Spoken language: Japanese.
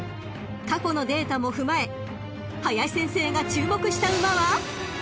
［過去のデータも踏まえ林先生が注目した馬は］